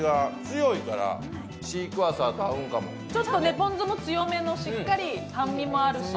ポン酢も強めのしっかり酸味もあるし。